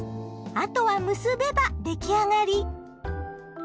あとは結べば出来上がり。